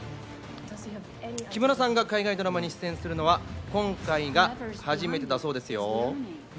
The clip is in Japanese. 木村さんが海外ドラマに出演するのは今回が初めてだそうですよ。